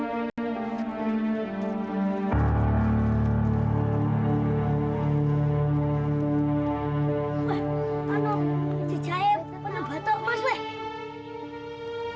anak kecil cahaya penuh batuk musik